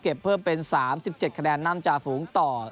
เพิ่มเป็น๓๗คะแนนนำจากฝูงต่อ